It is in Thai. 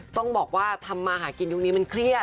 ต้องบอกว่าทำมาหากินยุคนี้มันเครียด